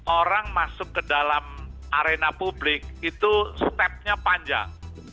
orang masuk ke dalam arena publik itu stepnya panjang